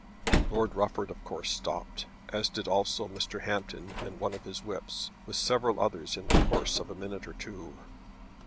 Lord Rufford of course stopped, as did also Mr. Hampton and one of the whips, with several others in the course of a minute or two.